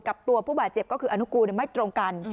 กับตัวผู้บาดเจ็บก็คืออนุกูลไม่ตรงกัน